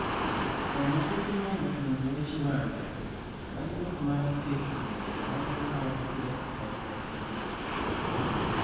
Omuguzi n’omutunzi w’ekibanja balina kumala kuteeseganya ne balyoka baddukira ebbaluwa entongole.